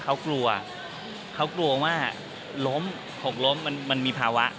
เค้ากลัวเค้ากลัวว่า๖ล้มมันมีภาวะ